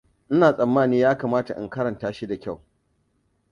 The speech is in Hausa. Ina tsammani yakamata in karanta shi da kyau.